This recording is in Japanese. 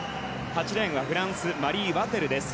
８レーンは、フランスマリー・ワテルです。